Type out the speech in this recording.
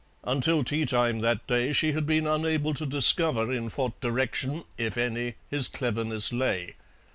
Until tea time that day she had been unable to discover in what direction, if any, his cleverness lay.